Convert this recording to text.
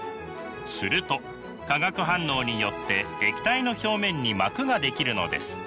すると化学反応によって液体の表面に膜が出来るのです。